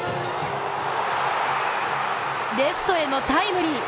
レフトへのタイムリー！